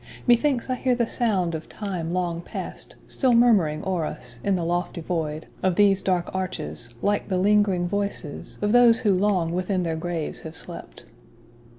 Methinks, I hear the sound of time long pass'd Still murmuring o'er us, in the lofty void Of these dark arches, like the ling'ring voices Of those who long within their graves have slept.